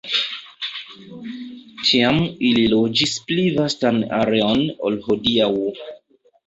Tiam ili loĝis pli vastan areon ol hodiaŭ.